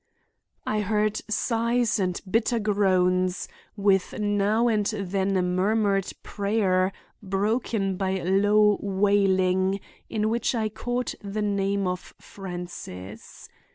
"I heard sighs and bitter groans, with now and then a murmured prayer, broken by a low wailing, in which I caught the name of Francis.